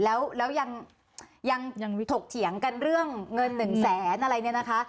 แล้วยังถกเถียงกันเรื่องเงิน๑แสนอะไรเนี่ยนะคะ